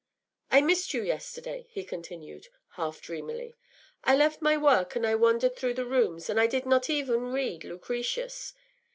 “I missed you yesterday,” he continued, half dreamily. “I left my work, and I wandered through the rooms, and I did not even read Lucretius.